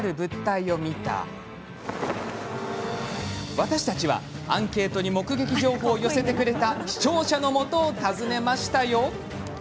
私たちは、アンケートに目撃情報を寄せてくれた視聴者のもとを訪ねました。